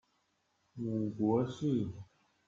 母国氏。